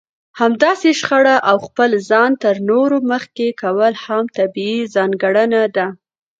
همداسې شخړه او خپل ځان تر نورو مخکې کول هم طبيعي ځانګړنه ده.